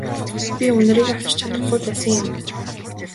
Би үнэрийг авч чадахгүй байсан юм.